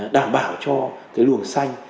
đảm bảo cho cái luồng xanh